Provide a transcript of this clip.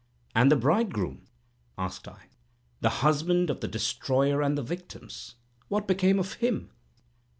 "And the bridegroom," asked I; "the husband of the destroyer and the victims—what became of him?"